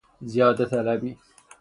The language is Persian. زیاده طلبی